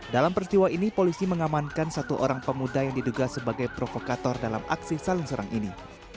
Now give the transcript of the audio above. dalam peristiwa ini polisi mengamankan satu orang pemuda yang diduga sebagai provokator dalam aksi saling serang ini